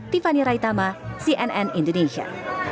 tiffany raitama cnn indonesia